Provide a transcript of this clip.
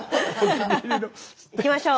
いきましょう。